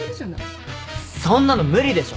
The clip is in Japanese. そんなの無理でしょ。